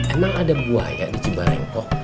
emang ada buaya di cibarengkok